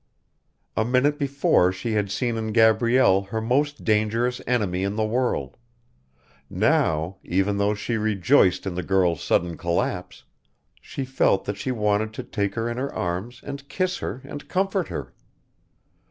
A minute before she had seen in Gabrielle her most dangerous enemy in the world; now, even though she rejoiced in the girl's sudden collapse, she felt that she wanted to take her in her arms and kiss her and comfort her.